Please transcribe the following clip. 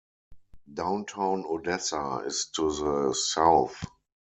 Downtown Odessa is to the south.